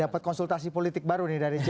dapat konsultasi politik baru nih dari